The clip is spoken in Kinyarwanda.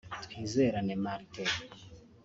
Twizerane Martin